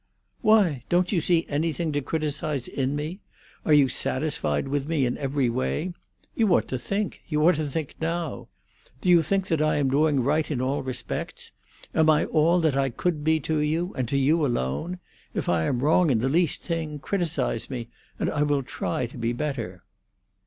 "Why? Don't you see anything to criticise in me? Are you satisfied with me in every way? You ought to think. You ought to think now. Do you think that I am doing right in all respects? Am I all that I could be to you, and to you alone? If I am wrong in the least thing, criticise me, and I will try to be better."